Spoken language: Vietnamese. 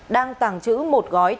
đang tàng trữ một gói tiền